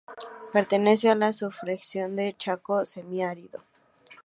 Pertenece a la subregión del Chaco semiárido.